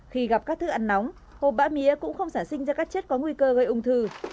khi gặp các thức ăn nóng hộp bã mía cũng không sản sinh ra các chất có nguy cơ gây ung thư